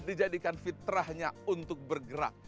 dijadikan fitrahnya untuk bergerak